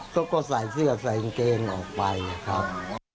เขาก็ใส่เสื้อใส่กางเกงออกไปครับ